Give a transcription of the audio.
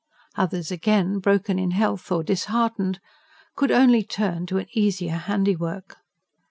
Others again, broken in health or disheartened, could only turn to an easier handiwork.